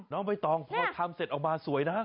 น้องใบตองพอทำเสร็จออกมาสวยนะ